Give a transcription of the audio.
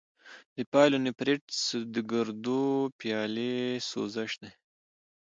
د پايلونیفریټس د ګردو پیالې سوزش دی.